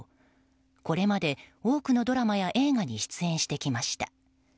これまで多くのドラマや映画に出演してきました。